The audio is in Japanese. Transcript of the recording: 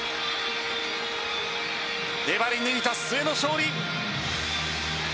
粘り抜いた末の勝利。